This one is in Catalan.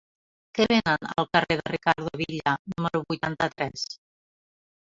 Què venen al carrer de Ricardo Villa número vuitanta-tres?